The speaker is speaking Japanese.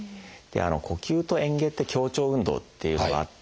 呼吸とえん下って協調運動っていうのがあって。